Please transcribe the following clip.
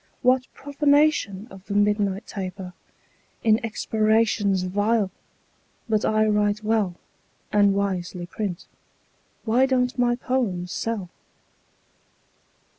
"What profanation of the midnight taper In expirations vile! But I write well, And wisely print. Why don't my poems sell?"